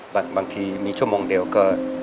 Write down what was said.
บางทีมีช่วงเดี่ยวก็